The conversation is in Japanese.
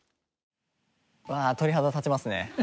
うわ鳥肌立ちますね。